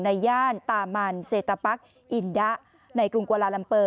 ย่านตามันเซตปั๊กอินดะในกรุงกวาลาลัมเปอร์